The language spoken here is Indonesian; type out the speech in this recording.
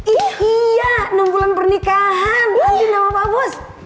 iya enam bulan pernikahan andi sama pak bos